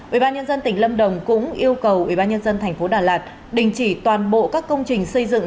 ubnd tỉnh lâm đồng cũng yêu cầu ubnd tp đà lạt đình chỉ toàn bộ các công trình xây dựng